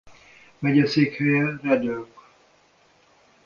Megyeszékhelye Red Oak.